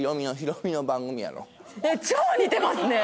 超似てますね！